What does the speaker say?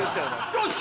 よし！